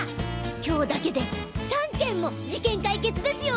今日だけで３件も事件解決ですよ！